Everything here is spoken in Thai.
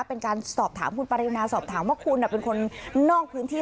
เป็นการสอบถามคุณปริณาสอบถามว่าคุณเป็นคนนอกพื้นที่